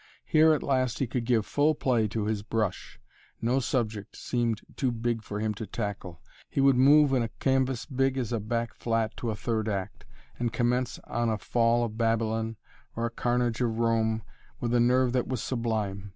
Here at last he could give full play to his brush no subject seemed too big for him to tackle; he would move in a canvas as big as a back flat to a third act, and commence on a "Fall of Babylon" or a "Carnage of Rome" with a nerve that was sublime!